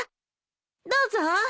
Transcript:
どうぞ。